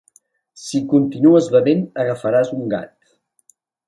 Si continues bevent, agafaràs un gat.